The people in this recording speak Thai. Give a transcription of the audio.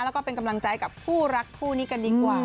แล้วก็เป็นกำลังใจกับคู่รักคู่นี้กันดีกว่า